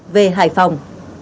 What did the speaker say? về hải phòng